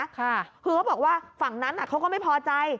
คือเขาบอกว่าฝั่งนั้นเขาก็ไม่พอใจ